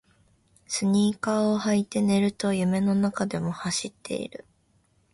スニーカーを履いて寝ると夢の中でも走っている